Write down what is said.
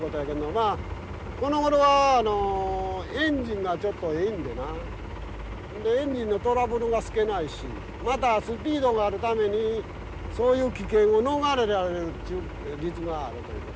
まあこのごろはエンジンがちょっとええんでなエンジンのトラブルが少ないしまたスピードがあるためにそういう危険を逃れられるということやね。